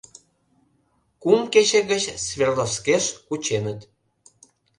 Кум кече гыч Свердловскеш кученыт.